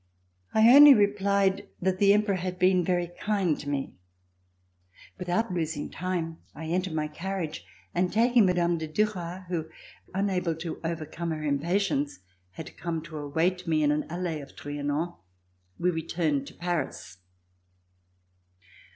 I only replied that the Emperor had been very kind to me. Without losing time, I entered my carriage and taking Mme. de Duras who, unable to overcome her impatience, had come to await me in an alley of Trianon, we returned to Paris.